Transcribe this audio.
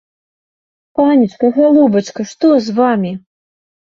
Панечка, галубачка, што з вамі?